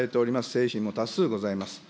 製品も多数ございます。